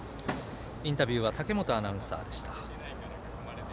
インタビューは武本アナウンサーでした。